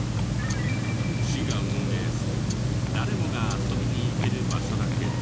市が運営する誰もが遊びに行ける場所だけど。